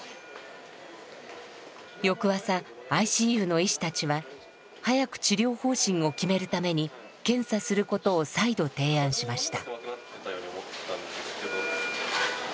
翌朝ＩＣＵの医師たちは早く治療方針を決めるために検査することを再度提案しました。